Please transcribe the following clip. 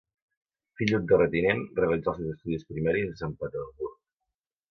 Fill d'un terratinent, realitzà els seus estudis primaris a Sant Petersburg.